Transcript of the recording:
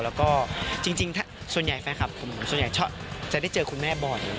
แล้วก็จริงส่วนใหญ่แฟนคลับผมส่วนใหญ่จะได้เจอคุณแม่บ่อย